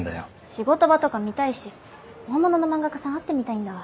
仕事場とか見たいし本物の漫画家さん会ってみたいんだわ。